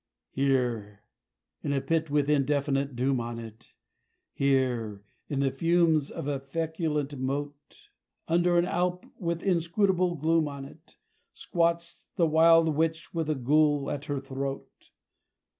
Here, in a pit with indefinite doom on it, Here, in the fumes of a feculent moat, Under an alp with inscrutable gloom on it, Squats the wild witch with a ghoul at her throat!